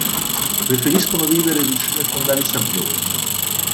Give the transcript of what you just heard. Preferiscono vivere vicino ai fondali sabbiosi.